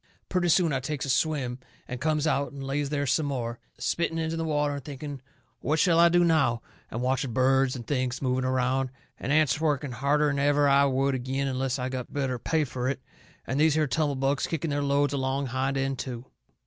Purty soon I takes a swim, and comes out and lays there some more, spitting into the water and thinking what shall I do now, and watching birds and things moving around, and ants working harder'n ever I would agin unless I got better pay fur it, and these here tumble bugs kicking their loads along hind end to.